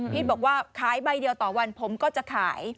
บอกว่าขายใบเดียวต่อวันผมก็จะขาย